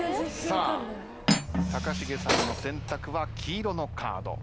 さあ高重さんの選択は黄色のカード。